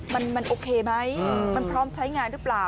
มันโอเคไหมมันพร้อมใช้งานหรือเปล่า